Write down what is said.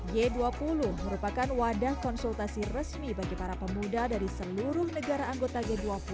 g dua puluh merupakan wadah konsultasi resmi bagi para pemuda dari seluruh negara anggota g dua puluh